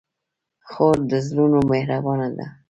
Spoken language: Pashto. خور د زړونو مهربانه ده.